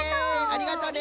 ありがとうね！